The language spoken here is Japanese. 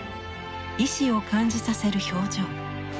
意思を感じさせる表情。